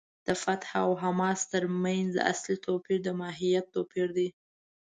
د فتح او حماس تر منځ اصلي توپیر د ماهیت توپیر دی.